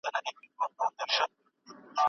د ښوونځیو د نظارت پایلې له چا سره شریکیږي؟